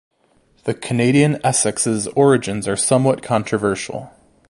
The Canadian Essex's origins are somewhat controversial.